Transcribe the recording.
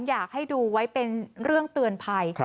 อยากให้ดูไว้เป็นเรื่องเตือนภัย